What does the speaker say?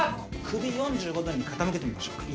首４５度に傾けてみましょうか。